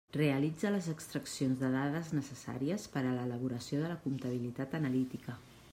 Realitza les extraccions de dades necessàries per a l'elaboració de la comptabilitat analítica.